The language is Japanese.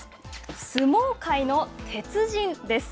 相撲界の鉄人です。